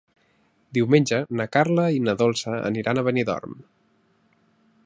Diumenge na Carla i na Dolça aniran a Benidorm.